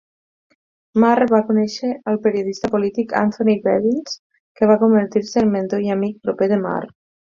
Marr va conèixer el periodista polític Anthony Bevins, que va convertir-se en mentor i amic proper de Marr.